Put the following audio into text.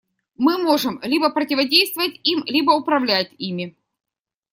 Мы можем либо противодействовать им, либо управлять ими.